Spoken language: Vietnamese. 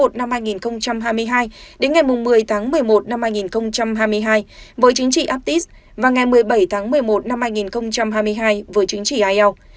tổng cộng cả hai giai đoạn từ mùng một một hai nghìn hai mươi hai đến ngày một mươi một mươi một hai nghìn hai mươi hai với chứng chỉ ielts và ngày một mươi bảy một mươi một hai nghìn hai mươi hai với chứng chỉ ielts